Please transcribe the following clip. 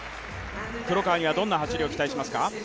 黒川にはどんな走りを期待しますか。